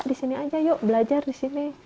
di sini aja yuk belajar di sini